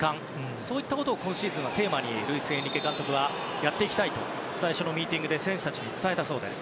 そういったことを今シーズンのテーマにルイス・エンリケ監督はやっていきたいと最初のミーティングで選手たちに伝えたそうです。